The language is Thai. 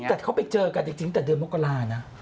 นี่แต่เขาไปเจอกันจริงแต่เดือนเมื่อกรานะ